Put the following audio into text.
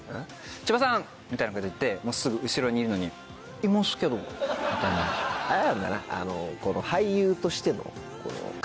「千葉さん！」みたいなこと言ってすぐ後ろにいるのにいますけどみたいな。